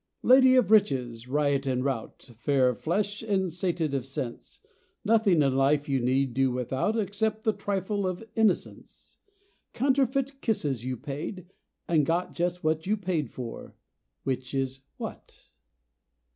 Lady of riches, riot and rout, Fair of flesh and sated of sense, Nothing in life you need do without Except the trifle of innocence. Counterfeit kisses you paid, and got Just what you paid for which is what?